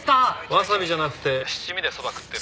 わさびじゃなくて七味でそば食ってる。